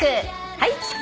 はい。